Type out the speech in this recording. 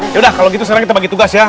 yaudah kalau gitu sekarang kita bagi tugas ya